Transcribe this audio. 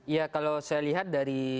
ya kalau saya lihat dari